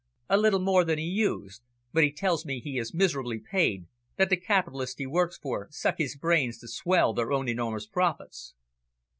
"A little more than he used. But he tells me he is miserably paid, that the capitalists he works for suck his brains to swell their own enormous profits."